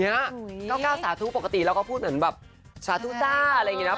๙๙สาธุปกติเราก็พูดเหมือนแบบสาธุซ่าอะไรอย่างนี้นะ